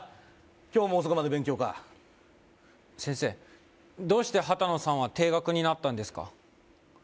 今日も遅くまで勉強か先生どうしてハタノさんは停学になったんですか？